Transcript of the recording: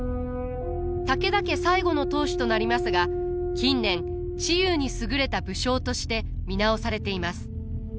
武田家最後の当主となりますが近年知勇に優れた武将として見直されています。